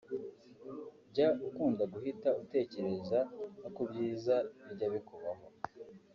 Jya ukunda guhita utekereza no ku byiza bijya bikubaho